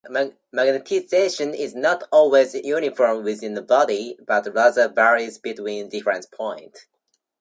Magnetization is not always uniform within a body, but rather varies between different points.